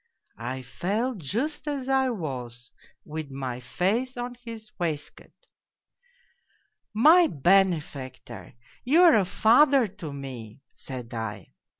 I fell just as I was, with my face on his waistcoat. "' My benefactor ! You are a father to me !' said I.